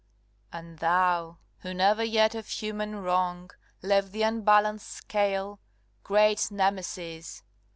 CXXXII. And thou, who never yet of human wrong Left the unbalanced scale, great Nemesis!